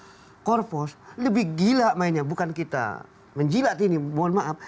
tapi di luar pos lebih gila mainnya bukan kita menjilat ini mohon maaf